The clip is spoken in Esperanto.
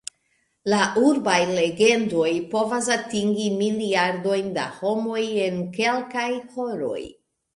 La urbaj legendoj povas atingi miliardojn da homoj en kelkaj horoj.